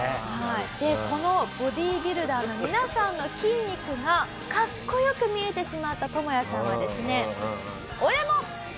でこのボディビルダーの皆さんの筋肉がかっこよく見えてしまったトモヤさんはですね。